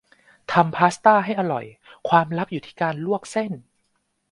ทำพาสต้าให้อร่อย ความลับอยู่ที่การลวกเส้น